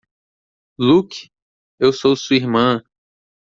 Luke? Eu sou sua irmã!